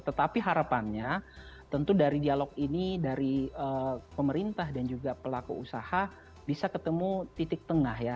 tetapi harapannya tentu dari dialog ini dari pemerintah dan juga pelaku usaha bisa ketemu titik tengah ya